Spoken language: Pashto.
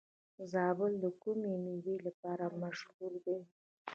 زابل د کومې میوې لپاره مشهور دی؟